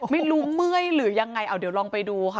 ไม่รู้เมื่อยหรือยังไงเอาเดี๋ยวลองไปดูค่ะ